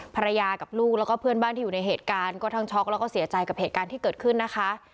ภรรยากับลูกแล้วก็เพื่อนบ้านที่อยู่ในเหตุการณ์ก็ทั้งช็อกแล้วก็เสียใจกับเหตุการณ์ที่เกิดขึ้นนะคะ